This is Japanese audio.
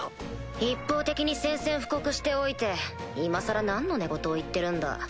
一方的に宣戦布告しておいて今更何の寝言を言ってるんだ。